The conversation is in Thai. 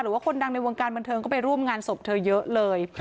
คนดังในวงการบันเทิงก็ไปร่วมงานศพเธอเยอะเลย